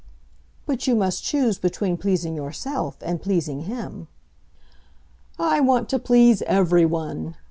"But you must choose between pleasing yourself and pleasing him." "I want to please everyone!"